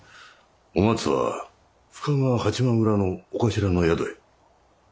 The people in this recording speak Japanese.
お松は深川八幡裏のお頭の宿へ。